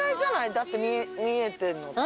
だって見えてるのって。